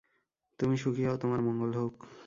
তুমি সুখী হও, তোমার মঙ্গল হউক।